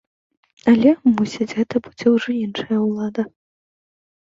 Але, мусіць, гэта будзе ўжо іншая ўлада.